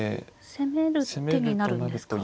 攻める手になるんですか。